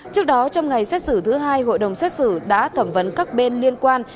trước đó trong ngày xét xử thứ hai hội đồng xét xử đã thẩm vấn các bên liên quan